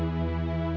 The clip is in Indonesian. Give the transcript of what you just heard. oka dapat mengerti